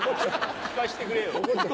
聞かせてくれよ。